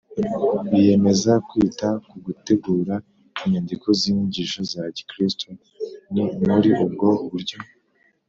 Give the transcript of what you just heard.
biyemeza kwita ku gutegura inyandiko z’inyigisho za gikristo ni muri ubwo buryo,